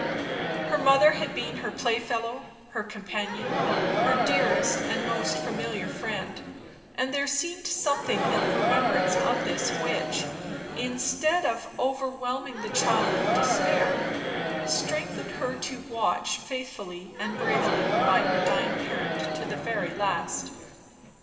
Her mother had been her playfellow, her companion her dearest and most familiar friend; and there seemed something in the remembrance of this which, instead of overwhelming the child with despair, strengthened her to watch faithfully and bravely by her dying parent to the very last.